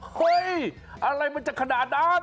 เฮ้ยอะไรมันจะขนาดนั้น